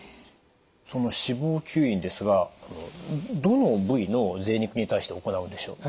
その脂肪吸引ですがどの部位のぜい肉に対して行うんでしょう？